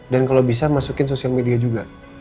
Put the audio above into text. dan kalau bisa masukin sosial media juga